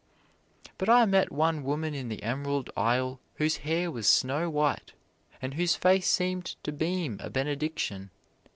But I met one woman in the Emerald Isle whose hair was snow white, and whose face seemed to beam a benediction.